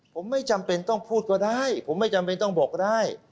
ผมไม่จำเป็นต้องพูดก็ได้ผมไม่จำเป็นต้องบอกได้